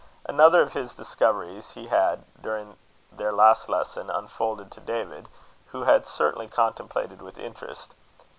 Another of his discoveries he had, during their last lesson, unfolded to David, who had certainly contemplated it with interest.